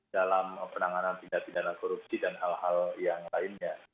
dalam penanganan tindak pidana korupsi dan hal hal yang lainnya